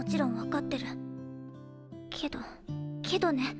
けどけどね